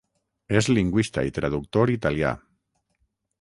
És lingüista i traductor italià.